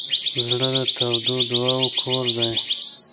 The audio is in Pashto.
زړه د تودو دعاوو کور دی.